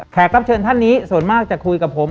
รับเชิญท่านนี้ส่วนมากจะคุยกับผม